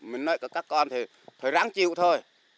mình nói cho các con thì thôi ráng chịu thôi